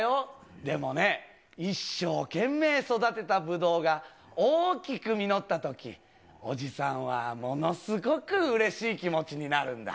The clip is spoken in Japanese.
でもね、一生懸命育てたブドウが、大きく実ったとき、おじさんはものすごくうれしい気持ちになるんだ。